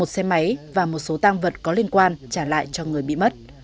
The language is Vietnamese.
một xe máy và một số tang vật có liên quan trả lại cho người bị mất